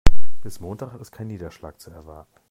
Bis Montag ist kein Niederschlag zu erwarten.